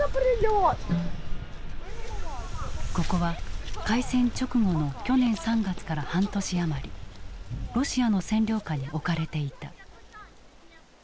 ここは開戦直後の去年３月から半年余りロシアの占領下に置かれていた。